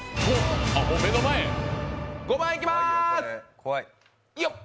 目の前、５番いきます。